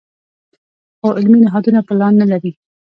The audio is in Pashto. خو علمي نهادونه پلان نه لري.